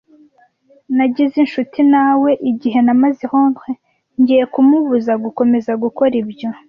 Nagize inshuti na we igihe namaze i Londres. Ngiye kumubuza gukomeza gukora ibyo.